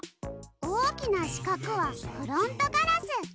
おおきなしかくはフロントガラス。